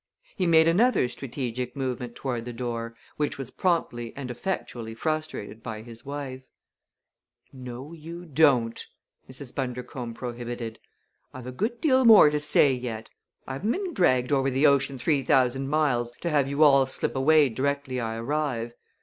He made another strategic movement toward the door, which was promptly and effectually frustrated by his wife. "No, you don't!" Mrs. Bundercombe prohibited. "I've a good deal more to say yet. I haven't been dragged over the ocean three thousand miles to have you all slip away directly I arrive.